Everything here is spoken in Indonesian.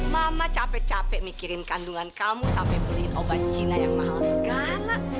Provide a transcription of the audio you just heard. mama capek capek mikirin kandungan kamu sampai beli obat cina yang mahal segala